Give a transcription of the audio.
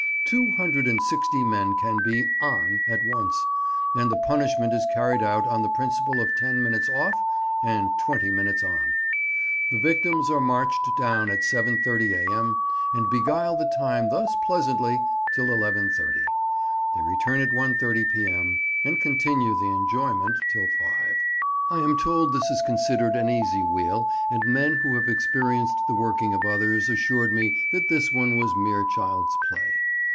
Two hundred and sixty men can be "on" at once, and the punishment is carried out on the principle of ten minutes "off" and twenty minutes "on." The victims are marched down at 7.30 A.M., and beguile the time thus pleasantly till 11.30. They return at 1.30 p.m., and continue the enjoyment till 5. I am told this is considered an easy wheel, and men who have experienced the working of others assured me that this one was mere child's play.